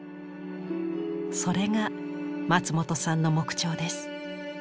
それが松本さんの木彫です。